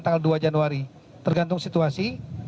tanggal dua januari tergantung situasi